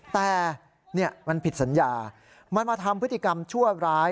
แต่มันผิดสัญญามันมาทำพฤติกรรมชั่วร้าย